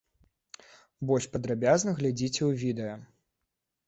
Больш падрабязна глядзіце ў відэа.